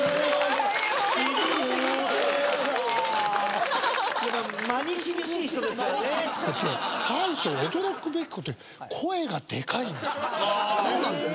大将驚くべきことに声がでかいんですよ。